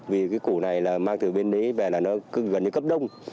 vì cái củ này là mang từ bên đấy về là nó cứ gần như cấp đông